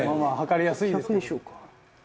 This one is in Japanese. １００にしようか。